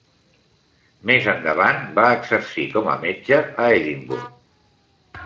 Més endavant va exercir com a metge a Edimburg.